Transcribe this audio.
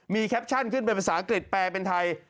มีแคปชั่นขึ้นเป็นภาษาอังกฤษแปลเป็นไทย